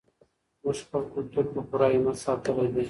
موږ خپل کلتور په پوره همت ساتلی دی.